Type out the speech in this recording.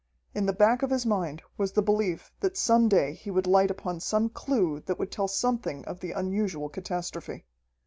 In the back of his mind was the belief that some day he would light upon some clue that would tell something of the unusual catastrophe.